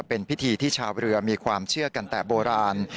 เป็นพิธีที่ชาวเรือมีความเชื่อกันแต่โบราณ